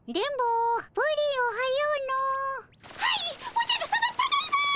おじゃるさまただいま！